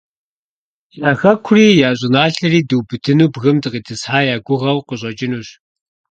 Я хэкури, я щӀыналъэри дубыдыну бгым дыкъитӀысхьа я гугъэу къыщӀэкӀынущ.